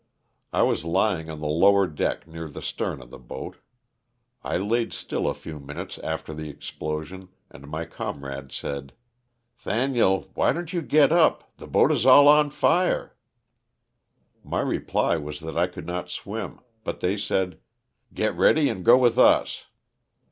I was lying on the lower deck near the stern of the boat. I laid still a few minutes after the explosion and my comrades said, Thaniel, why don't you get up; the boat is all on fire?" My reply was that I could not swim, but they said, ''get ready and go with us."